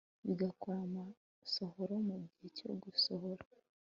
bigakora amasohoro mu gihe cyo gusohora